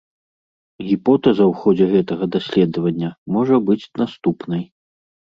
Гіпотэза ў ходзе гэтага даследавання можа быць наступнай.